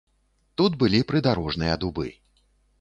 Тут былі прыдарожныя дубы.